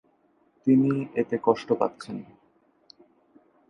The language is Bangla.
তিনি এতে কষ্ট পাচ্ছেন।